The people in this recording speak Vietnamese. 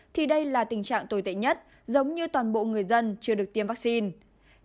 thì đây là tình trạng tồi tệ nhất giống như toàn bộ người dân chưa được tiêm vaccine